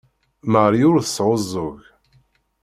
Marie ur tesɛuẓẓug.